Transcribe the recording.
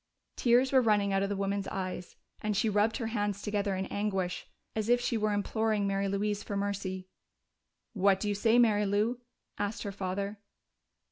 Tears were running out of the woman's eyes, and she rubbed her hands together in anguish, as if she were imploring Mary Louise for mercy. "What do you say, Mary Lou?" asked her father.